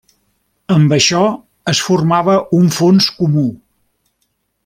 Amb això es formava un fons comú.